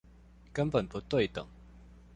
根本不對等